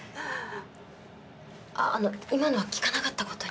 ああの今のは聞かなかったことに。